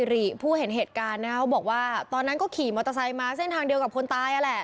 ที่พูดบอกว่าตอนนั้นก็ขี่มอเตอร์ไซค์ค้นเดียากับคนตายแหละ